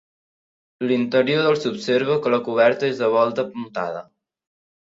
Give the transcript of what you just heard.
L'interior del s'observa que la coberta és de volta apuntada.